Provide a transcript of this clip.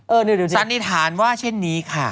ดูสิสันนิษฐานว่าเช่นนี้ค่ะ